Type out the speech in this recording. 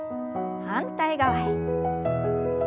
反対側へ。